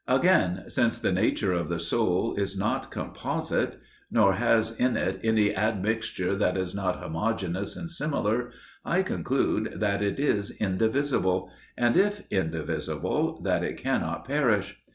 Again, since the nature of the soul is not composite, nor has in it any admixture that is not homogeneous and similar, I conclude that it is indivisible, and, if indivisible, that it cannot perish.